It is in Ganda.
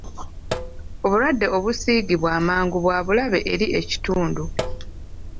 Obulwadde obusiigibwa amangu bwa bulabe eri ekitundu.